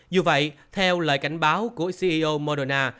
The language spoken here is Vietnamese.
dù vậy theo lời cảnh báo của ceo moderna